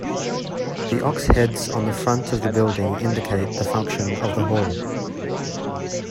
The ox-heads on the front of the building indicate the function of the hall.